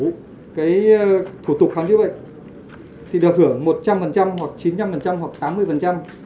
cái thủ tục khám chữa bệnh thì được hưởng một trăm linh hoặc chín mươi năm hoặc tám mươi